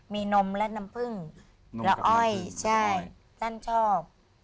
มีนมและน้ำผึ้งและอ้อยใช่ท่านชอบ